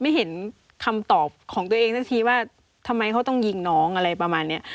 ไม่เห็นคำตอบของตัวเองสักทีว่าทำไมเขาต้องยิงน้องอะไรประมาณเนี้ย